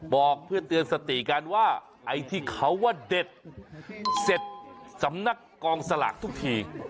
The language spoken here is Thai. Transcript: บอกเพื่อเตือนสติกันว่าไอ้ที่เขาว่าเด็ดเสร็จสำนักกองสลากทุกที